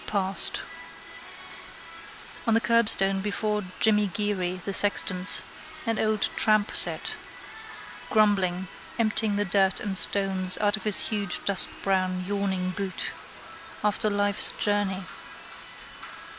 Passed. On the curbstone before Jimmy Geary, the sexton's, an old tramp sat, grumbling, emptying the dirt and stones out of his huge dustbrown yawning boot. After life's journey.